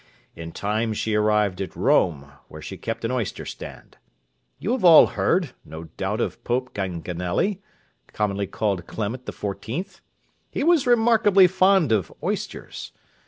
In time she arrived at Rome, where she kept an oyster stand. You have all heard, no doubt of Pope Ganganelli, commonly called Clement XIV.: he was remarkably fond of oysters.